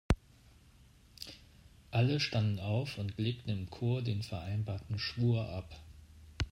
Alle standen auf und legten im Chor den vereinbarten Schwur ab.